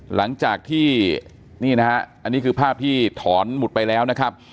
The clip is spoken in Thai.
หลังจากที่นี่นะฮะอันนี้คือภาพที่ถอนหมุดไปแล้วนะครับ